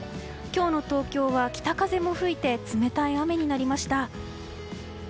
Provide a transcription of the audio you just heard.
今日の東京は北風も吹いて冷たい雨になりました。